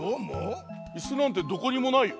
イスなんてどこにもないよ。